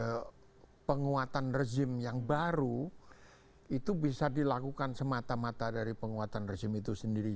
bahwa penguatan rezim yang baru itu bisa dilakukan semata mata dari penguatan rezim itu sendiri